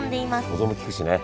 保存も利くしね